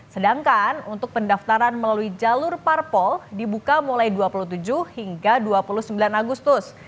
sedangkan untuk pendaftaran melalui jalur parpol dibuka mulai dua puluh tujuh hingga dua puluh sembilan agustus